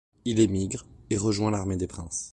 Il émigre et rejoint l'armée des princes.